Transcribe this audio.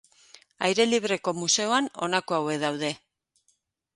Aire libreko museoan, honako hauek daude.